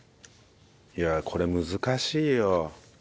いやこれ難しいよ。